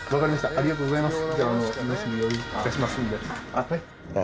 ありがとうございます。